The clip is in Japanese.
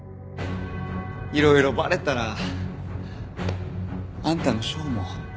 いろいろバレたらあんたの賞も海外進出も。